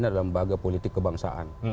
adalah lembaga politik kebangsaan